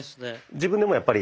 自分でもやっぱり。